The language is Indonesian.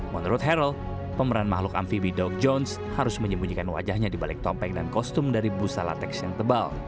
menurut harrell pemeran makhluk amfibi doc jones harus menyembunyikan wajahnya dibalik tompeng dan kostum dari busa latex yang tebal